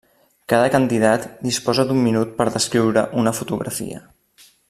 Cada candidat disposa d'un minut per descriure una fotografia.